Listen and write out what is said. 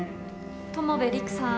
友部陸さん。